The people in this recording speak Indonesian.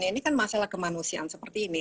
ini kan masalah kemanusiaan seperti ini